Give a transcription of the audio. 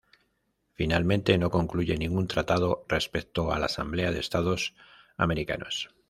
Finalmente no concluye ningún tratado respecto a la Asamblea de Estados Americanos.